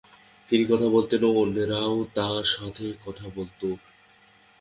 তিনি কথা বলতেন এবং অন্যেরাও তার সাথে কথা বলতো।